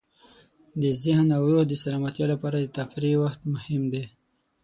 د ذهن او روح د سلامتۍ لپاره د تفریح وخت مهم دی.